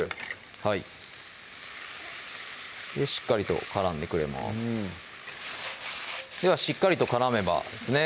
はいしっかりと絡んでくれますではしっかりと絡めばですね